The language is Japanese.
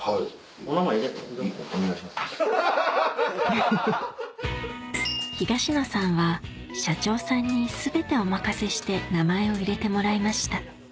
ウフフ東野さんは社長さんに全てお任せして名前を入れてもらいました